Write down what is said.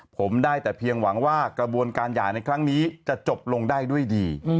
ผมได้แต่เพียงหวังว่ากระบวนการหย่าในครั้งนี้จะจบลงได้ด้วยดี